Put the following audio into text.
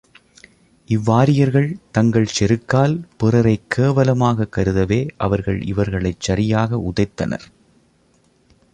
இவ்வாரியர்கள் தங்கள் செருக்கால் பிறரைக் கேவலமாகக் கருதவே அவர்கள் இவர்களைச் சரியாக உதைத்தனர்.